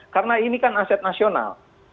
karena ini kan aset nasional